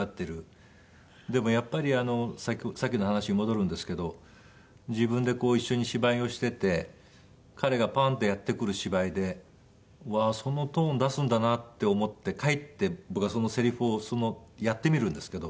でもやっぱりさっきの話に戻るんですけど自分で一緒に芝居をしていて彼がパンってやってくる芝居でうわーそのトーン出すんだなって思って帰って僕はそのセリフをやってみるんですけど。